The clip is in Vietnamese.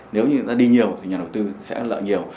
nếu người ta đi nhiều thì nhà đầu tư sẽ lợi nhiều